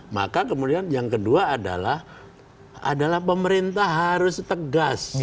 maka kemudian yang kedua adalah pemerintah harus memperhatikan proses itu penting